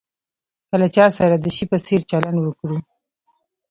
که له چا سره د شي په څېر چلند وکړو.